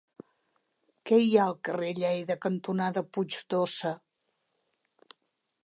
Què hi ha al carrer Lleida cantonada Puig d'Óssa?